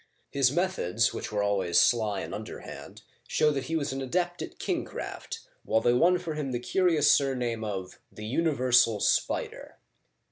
His methods, which were always sly and underhand, show that he was an adept at kingcraft^ while they won for him the curious surname of the universal spider."